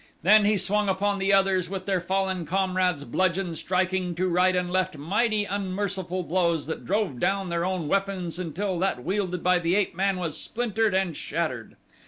Then he swung upon the others with their fallen comrade's bludgeon striking to right and left mighty, unmerciful blows that drove down their own weapons until that wielded by the ape man was splintered and shattered.